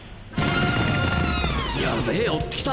やべぇ追って来た！